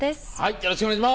よろしくお願いします。